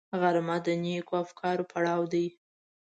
غرمه د نېکو افکارو پړاو دی